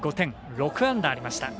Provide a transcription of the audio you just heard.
６安打ありました。